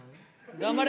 頑張れ！